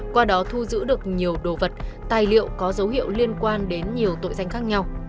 qua đó thu giữ được nhiều đồ vật tài liệu có dấu hiệu liên quan đến nhiều tội danh khác nhau